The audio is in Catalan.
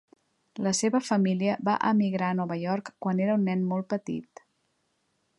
La seva família va emigrar a Nova York quan era un nen molt petit.